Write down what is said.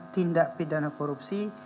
tindak pidana korupsi